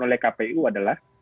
oleh kpu adalah